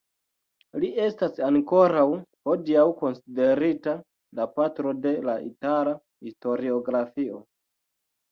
Li estas ankoraŭ hodiaŭ konsiderita la patro de la itala historiografio.